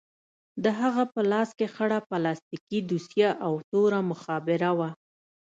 د هغه په لاس کښې خړه پلاستيکي دوسيه او توره مخابره وه.